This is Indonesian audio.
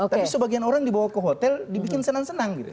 tapi sebagian orang dibawa ke hotel dibikin senang senang gitu